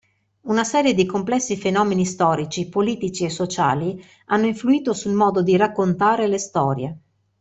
Una serie di complessi fenomeni storici, politici e sociali hanno influito sul modo di raccontare le storie.